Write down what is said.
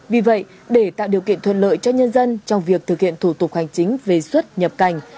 vì vậy để tạo điều kiện thuận lợi cho nhân dân trong việc thực hiện thủ tục hành chính về xuất nhập cảnh